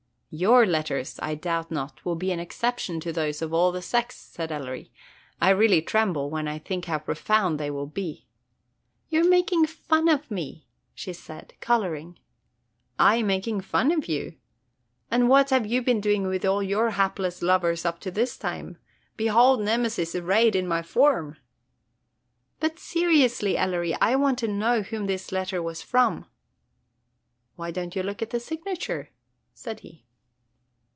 "Your letters, I doubt not, will be an exception to those of all the sex," said Ellery. "I really tremble, when I think how profound they will be!" "You are making fun of me!" said she, coloring. "I making fun of you? And what have you been doing with all your hapless lovers up to this time? Behold Nemesis arrayed in my form." "But seriously, Ellery, I want to know whom this letter was from?" "Why don't you look at the signature?" said he.